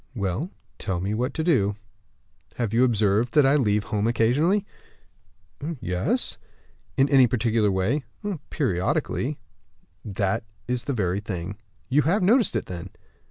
"Well, tell me what you do." "Have you observed that I leave home occasionally?" "Yes." "In any particular way?" "Periodically." "That's the very thing. You have noticed it, then?"